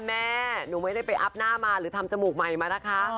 แม่หนูไม่ได้ไปอัพหน้ามาหรือทำจมูกใหม่มานะคะ